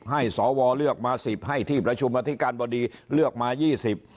สวเลือกมาสิบให้ที่ประชุมอธิการบดีเลือกมายี่สิบ